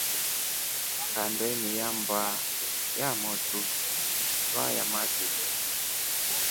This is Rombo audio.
Kandeni ya mbaa ya motru twayaa makith.